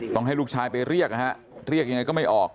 ต้องให้ลูกชายไปเรียกนะฮะเรียกยังไงก็ไม่ออก